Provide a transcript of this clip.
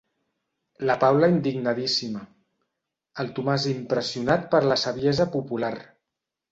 La Paula indignadíssima, el Tomàs impressionat per la saviesa popular.